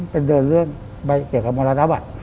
ไปเดินเลื่อนไปเกี่ยวกับมรณวัตน์